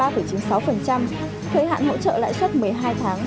thời hạn hỗ trợ lãi suất một mươi hai tháng